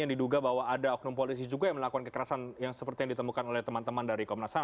yang diduga bahwa ada oknum polisi juga yang melakukan kekerasan yang seperti yang ditemukan oleh teman teman dari komnas ham